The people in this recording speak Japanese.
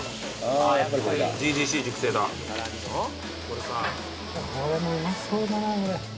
これもうまそうだなこれ。